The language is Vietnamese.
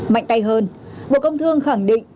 mạnh tay hơn bộ công thương khẳng định